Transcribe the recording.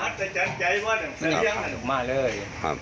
เป็นพัฒน์เหงามากเลย